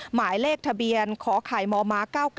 หมายเลขทะเบียนขอไข่มม๙๙